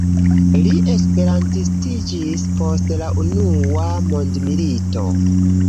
Li esperantistiĝis post la unua mondmilito.